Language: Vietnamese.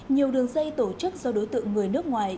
nhiều đường dây tổ chức do đối tượng người nước ngoài